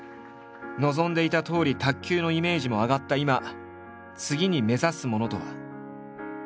望んでいたとおり卓球のイメージも上がった今次に目指すものとは。